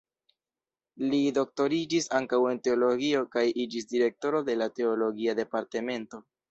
Li doktoriĝis ankaŭ en teologio kaj iĝis direktoro de la teologia departemento.